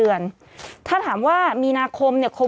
สิบเก้าชั่วโมงไปสิบเก้าชั่วโมงไป